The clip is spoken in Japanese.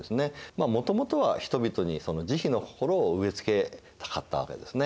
まあもともとは人々に慈悲の心を植え付けたかったわけですね。